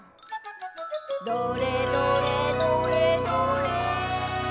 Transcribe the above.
「どれどれどれどれ」